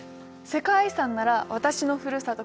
世界遺産なら私のふるさと